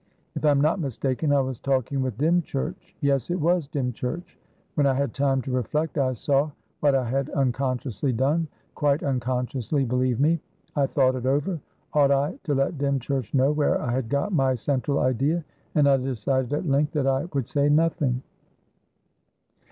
If I'm not mistaken, I was talking with Dymchurchyes, it was Dymchurch. When I had time to reflect, I saw what I had unconsciously donequite unconsciously, believe me. I thought it over. Ought I to let Dymchurch know where I had got my central idea? And I decided at length that I would say nothing."